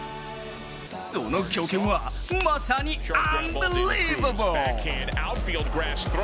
その強肩は、まさにアンビリーバボー。